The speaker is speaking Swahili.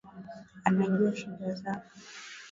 Anajua shida zako.